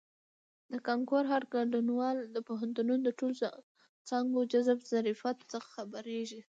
د کانکور هر ګډونوال د پوهنتونونو د ټولو څانګو د جذب ظرفیت څخه خبریږي.